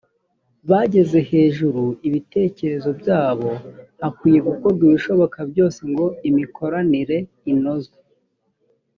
bageze hejuru ibitekerezo byabo hakwiye gukorwa ibishoboka byose ngo imikoranire inozwe